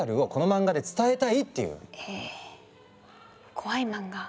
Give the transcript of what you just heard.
怖い漫画？